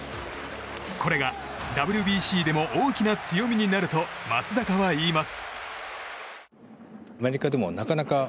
これがＷＢＣでも大きな強みになると松坂は言います。